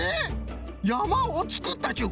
やまをつくったっちゅうこと！？